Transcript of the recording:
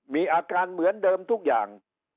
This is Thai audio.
มีอาการเหมือนเดิมทุกอย่าง